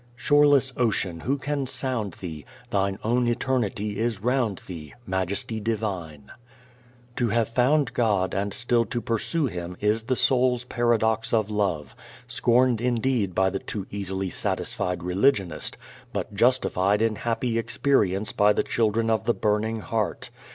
Shoreless Ocean, who can sound Thee? Thine own eternity is round Thee, Majesty divine! To have found God and still to pursue Him is the soul's paradox of love, scorned indeed by the too easily satisfied religionist, but justified in happy experience by the children of the burning heart.